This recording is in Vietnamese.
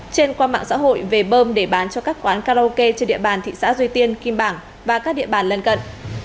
trên qua mạng xã hội về bơm để bán cho các quán karaoke trên địa bàn thị xã duy tiên kim bảng và các địa bàn lân cận